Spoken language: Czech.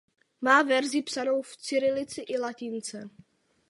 Má verzi psanou v cyrilici i latince.